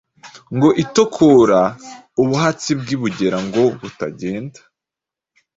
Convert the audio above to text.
Ngo itokora ubuhatsi bw’ i Bugera Ngo butagenda.